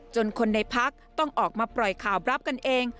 คนในพักต้องออกมาปล่อยข่าวบรับกันเอง